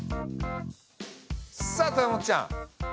さあ豊本ちゃん。